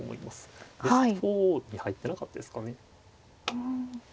ベスト４に入ってなかったですかね。